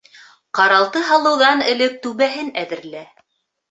Ҡаралты һалыуҙан элек түбәһен әҙерлә.